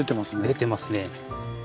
出てますね。